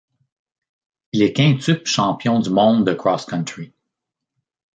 Il est quintuple champion du monde de cross-country.